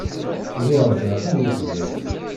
Lliɣ ẓriɣ ad yeqbel.